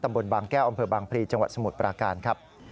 บางแก้วอำเภอบางพลีจังหวัดสมุทรปราการครับ